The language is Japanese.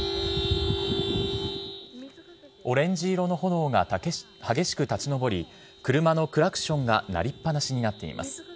オレンジ色の炎が激しく立ち上り、車のクラクションが鳴りっぱなしになっています。